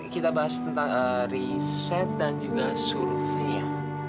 kita bahas tentang riset dan juga survei